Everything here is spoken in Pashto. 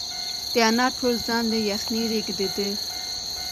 د انا ټول ځان له یخنۍ رېږدېده.